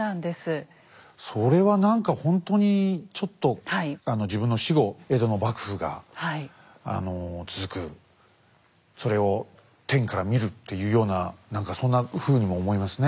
それは何かほんとにちょっと自分の死後江戸の幕府が続くそれを天から見るっていうような何かそんなふうにも思いますね。